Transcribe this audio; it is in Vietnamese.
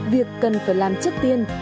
việc cần phải làm trước tiên